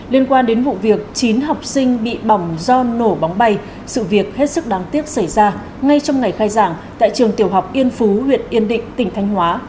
liên quan đến vụ việc chín học sinh bị bỏng do nổ bóng bay sự việc hết sức đáng tiếc xảy ra ngay trong ngày khai giảng tại trường tiểu học yên phú huyện yên định tỉnh thanh hóa